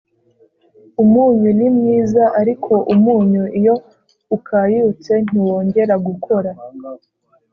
Umunyu ni mwiza ariko umunyu iyo ukayutse ntiwongera gukora